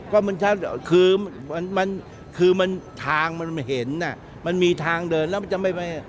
ก็มันชัดคือมันคือมันทางมันเห็นอ่ะมันมีทางเดินแล้วมันจะไม่ไป